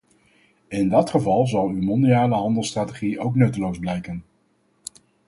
In dat geval zal uw mondiale handelsstrategie ook nutteloos blijken.